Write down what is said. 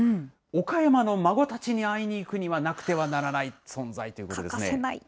岡山の孫たちに会いに行くにはなくてはならない存在ということですね。